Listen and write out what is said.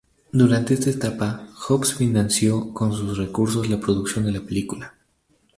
Durante esta etapa, Jobs financió con sus recursos la producción de la película.